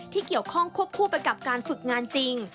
ที่เกี่ยวข้องควบคู่ไปกับการฝึกงานจริง